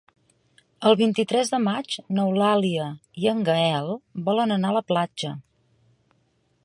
El vint-i-tres de maig n'Eulàlia i en Gaël volen anar a la platja.